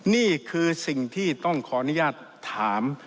นี่คือสิ่งที่ต้องขออนุญาตถาม